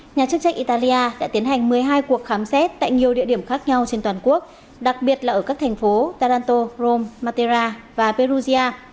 nhà chức trách italia đã tiến hành một mươi hai cuộc khám xét tại nhiều địa điểm khác nhau trên toàn quốc đặc biệt là ở các thành phố taranto rome matera và perujia